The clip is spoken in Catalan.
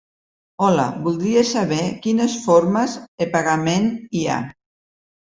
Hola, voldria saber quines formes e pagament hi ha.